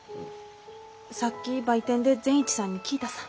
さっき売店で善一さんに聞いたさ。